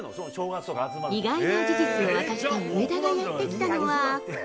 意外な事実を明かした上田がやって来たのは。